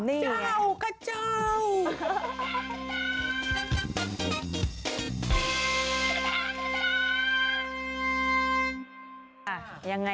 เจ้าก็เจ้า